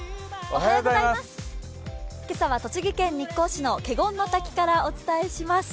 今朝は栃木県日光市の華厳の滝からお伝えします。